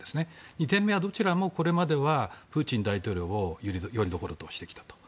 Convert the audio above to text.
２点目は、どちらもこれまではプーチン大統領をよりどころとしてきた。